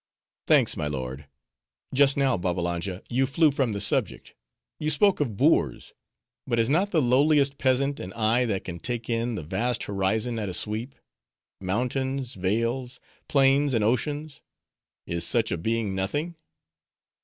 "Thanks, my lord. Just now, Babbalanja, you flew from the subject;— you spoke of boors; but has not the lowliest peasant an eye that can take in the vast horizon at a sweep: mountains, vales, plains, and oceans? Is such a being nothing?"